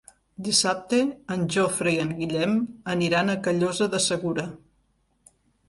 Dissabte en Jofre i en Guillem aniran a Callosa de Segura.